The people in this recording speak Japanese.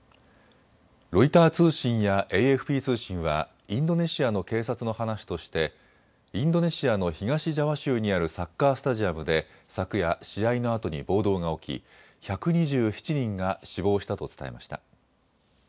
ロイター通信やＡＦＰ通信はインドネシアの警察の話としてインドネシアの東ジャワ州にあるサッカースタジアムで昨夜、試合のあとに暴動が起き１２７人が死亡したと伝えました。